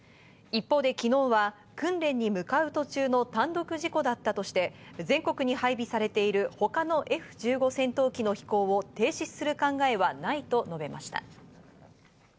一方で昨日は訓練に向かう途中の単独事故だったとして、全国に配備されているほかのＦ１５戦闘機の飛行を停止する考えはないと述べました。